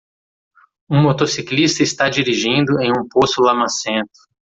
Um motociclista está dirigindo em um poço lamacento.